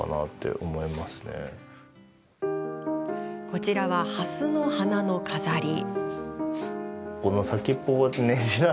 こちらは、ハスの花の飾り。